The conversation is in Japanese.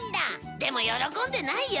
でも喜んでないよ？